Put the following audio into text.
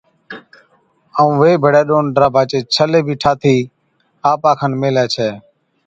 ائُون وي ڀيڙَي ڏون ڊاڀا چي ڇلي بِي ٺاھتِي آپا کن ميھلَي ڇَي